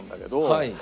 はい。